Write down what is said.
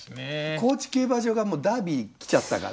高知競馬場がもう「ダービー」きちゃったから。